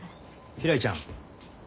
ひらりちゃん。